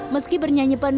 meski bernyanyi pandemi